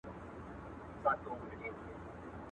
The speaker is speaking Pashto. ما خالي انګړ ته وکړل له ناکامه سلامونه.